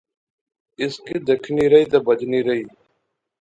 اس کی دیکھنی رہی، بجنی رہی